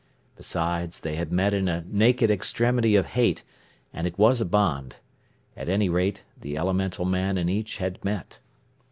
Besides, they had met in a naked extremity of hate, and it was a bond. At any rate, the elemental man in each had met.